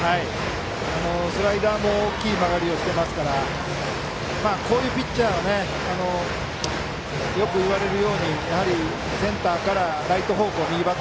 スライダーも大きい曲がりをしていますからこういうピッチャーはよく言われるように右バッターはセンターからライト方向に。